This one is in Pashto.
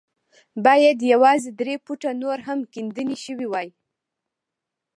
بايد يوازې درې فوټه نور هم کيندنې شوې وای.